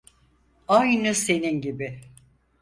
Aynı senin gibi.